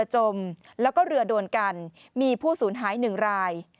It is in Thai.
เจอโดนกันมีผู้ศูนย์หาย๑ราย